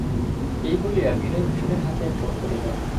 এই বলিয়া বিনয়ভূষণের হাতে এক পত্র দিল।